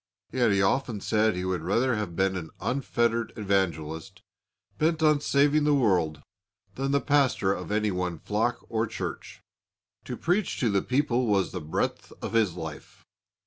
Yet he often said he would rather have been an unfettered evangelist, bent on saving the world, than the pastor of any one flock or church. To preach to the people was the breath of his life.